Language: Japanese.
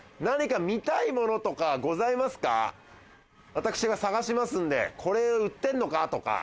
私が探しますんでこれ売ってんのか？とか。